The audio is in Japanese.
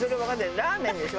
ラーメンでしょ？